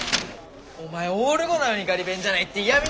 お前オール５なのにガリ勉じゃないって嫌み？